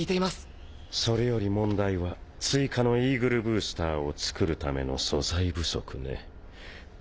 淵妊紂璽法それより問題は媛辰イーグルブースターを作るための素材不足ね。